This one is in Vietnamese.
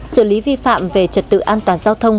xử lý vi phạm về trật tự an toàn giao thông